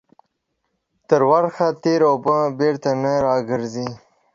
تر ورخ تيري اوبه بيرته نه راگرځي.